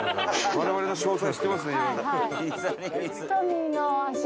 我々の詳細知ってますねいろいろ。